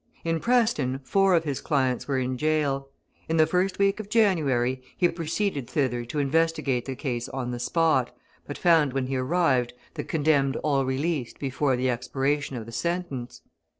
In Preston four of his clients were in jail. In the first week of January he proceeded thither to investigate the case on the spot, but found, when he arrived, the condemned all released before the expiration of the sentence.